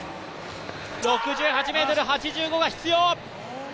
６８ｍ８５が必要。